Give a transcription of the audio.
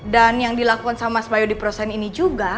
dan yang dilakukan sama mas bayu di perusahaan ini juga